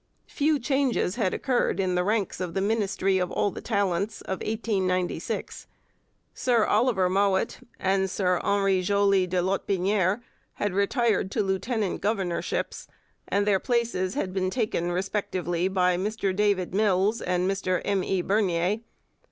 Few changes had occurred in the ranks of the 'Ministry of all the Talents' of 1896. Sir Oliver Mowat and Sir Henri Joly de Lotbinière had retired to lieutenant governorships, and their places had been taken respectively by Mr David Mills and Mr M. E. Bernier.